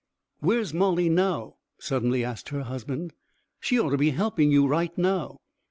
"Where's Molly now?" suddenly asked her husband. "She'd ought to be helping you right now."